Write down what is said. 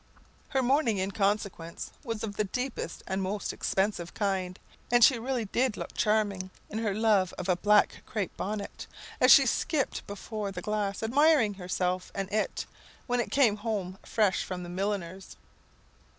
Her mourning, in consequence, was of the deepest and most expensive kind; and she really did look charming in her "love of a black crape bonnet!" as she skipped before the glass, admiring herself and it, when it came home fresh from the milliner's.